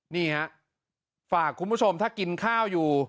นี่ฮะฝากคุณผู้ชมถ้ากินข้าวอยู่